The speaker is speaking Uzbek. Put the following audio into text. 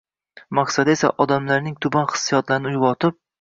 Maqsadi esa — odamlarning tuban hissiyotlarini uyg‘otib